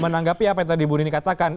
menanggapi apa yang tadi bu nini katakan